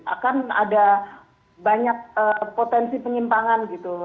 akan ada banyak potensi penyimpangan gitu